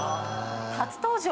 初登場。